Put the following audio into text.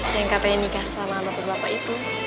yang katanya nikah sama bapak bapak itu